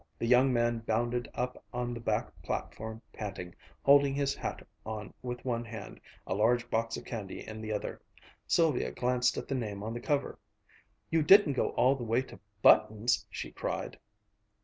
The young man bounded up on the back platform panting, holding his hat on with one hand, a large box of candy in the other. Sylvia glanced at the name on the cover. "You didn't go all the way to Button's!" she cried.